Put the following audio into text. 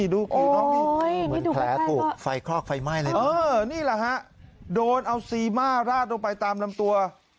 เหมือนแพ้ปลูกไฟคลอกไฟไหม้เลยนี่แหละฮะโดนอัลซีมาราดลงไปตามลำตัว